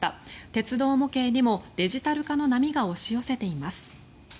鉄道模型にもデジタル化の波が押し寄せています。